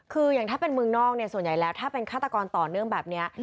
คืออย่างถ้าเป็นเมืองนอกเนี่ยส่วนใหญ่แล้วถ้าเป็นฆาตกรต่อเนื่องแบบนี้